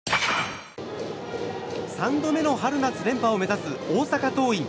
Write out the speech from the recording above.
３度目の春夏連覇を目指す大阪桐蔭。